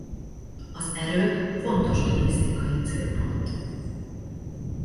Az erőd fontos turisztikai célpont.